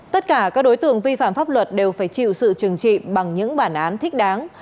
tất cả các đối tượng vi phạm pháp luật đều phải chịu sự trừng trị bằng những bản án thích đáng